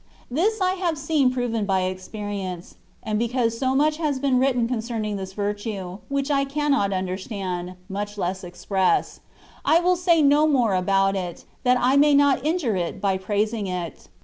This I have seen proved by experience ; and because so much has been written concerning this virtue, which I cannot understand, much less express, I will say no more about it, that I may not injure it by praising it.